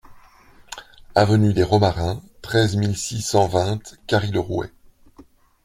Avenue des Romarins, treize mille six cent vingt Carry-le-Rouet